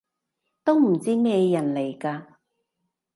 都唔知咩人嚟㗎